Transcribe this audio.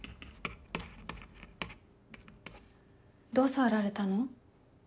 どう触られたの？